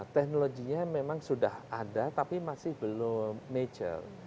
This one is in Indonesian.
teknologinya memang sudah ada tapi masih belum mature